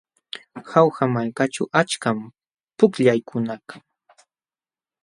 Jauja malkaćhu achkam pukllaykuna kan.